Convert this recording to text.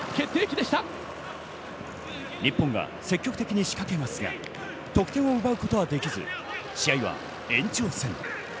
日本が積極的に仕掛けますが、得点を奪うことはできず、試合は延長戦へ。